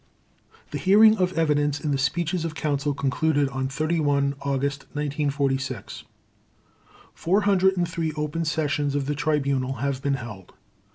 The hearing of evidence and the speeches of Counsel concluded on 31 August 1946. Four hundred and three open sessions of the Tribunal have been held.